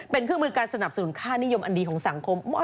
เป็นเครื่องมือการสนับสนุนค่านิยมอันดีของสังคม